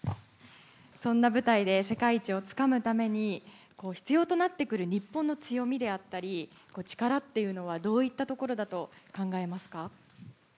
そんな舞台で世界一をつかむために必要となってくる、日本の強みであったり力というのはどういったところだと考えますか？